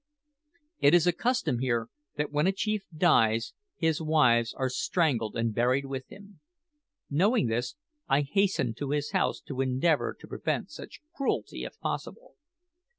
It is a custom here that when a chief dies his wives are strangled and buried with him. Knowing this, I hastened to his house to endeavour to prevent such cruelty if possible.